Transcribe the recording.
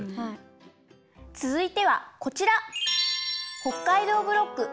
つづいてはこちら。